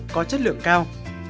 có chất lượng cao